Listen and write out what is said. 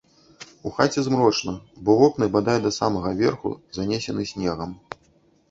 У хаце змрочна, бо вокны бадай да самага верху занесены снегам.